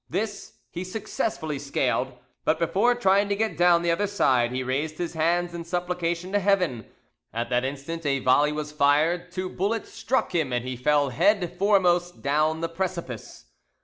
This he successfully scaled, but before trying to get down the other side he raised his hands in supplication to Heaven; at that instant a volley was fired, two bullets struck him, and he fell head foremost down the precipice.